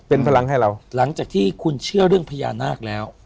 เป็นพลังให้เราหลังจากที่คุณเชื่อเรื่องพญานาคแล้ว